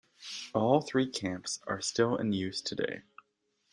All three camps are still in use today.